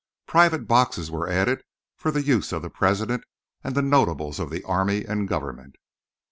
Private boxes were added for the use of the President and the notables of the army and Government.